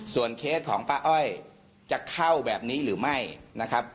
เคสของป้าอ้อยจะเข้าแบบนี้หรือไม่นะครับ